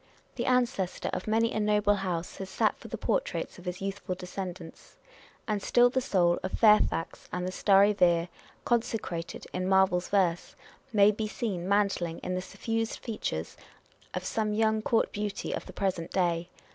The ancestor of many a noble house has sat for the portraits of his youthful descendants ; and still the soul of " Fairfax and the starry Vere," consecrated in Marvel's verse, may be seen mantling in the suffused features of some young court beauty of the present day.